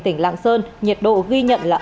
tỉnh lạng sơn nhiệt độ ghi nhận là